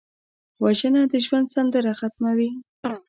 وژنه د ژوند سندره ختموي